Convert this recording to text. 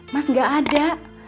mas gak ada